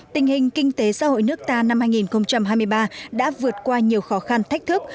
tình hình kinh tế xã hội nước ta năm hai nghìn hai mươi ba đã vượt qua nhiều khó khăn thách thức